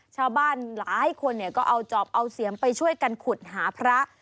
ชาวบ้านหลายคนก็เอาจอบเอาเสียมไปช่วยกันขุดหาพระ